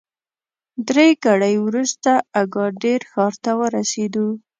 درې ګړۍ وروسته اګادیر ښار ته ورسېدو.